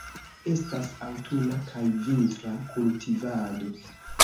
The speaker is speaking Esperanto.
Estas aŭtuna kaj vintra kultivado.